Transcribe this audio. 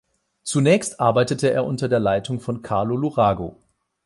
Zunächst arbeitete er unter der Leitung von Carlo Lurago.